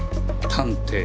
探偵。